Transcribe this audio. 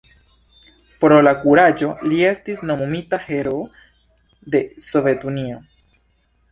Pro la kuraĝo li estis nomumita Heroo de Sovetunio.